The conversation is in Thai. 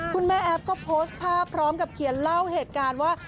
แม่แอฟก็โพสต์ภาพพร้อมกับเขียนเล่าเหตุการณ์ว่า